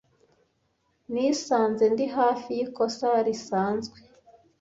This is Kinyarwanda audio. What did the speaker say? Nisanze ndi hafi yikosa risanzwe.